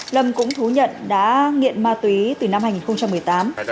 lâm cũng thú nhận đã nghiện ma túy từ năm hai nghìn một mươi tám